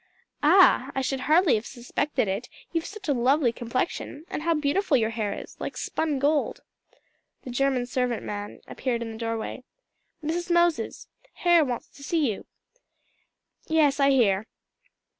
"Ah! I should hardly have suspected it: you've such a lovely complexion, and how beautiful your hair is! like spun gold." The German servant man appeared in the doorway. "Mrs. Moshes, Herr wants to see you." "Yes, I hear."